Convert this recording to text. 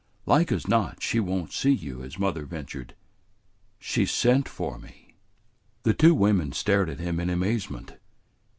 "Like as not she won't see you," his mother ventured. "She sent for me." The two women stared at him in amazement.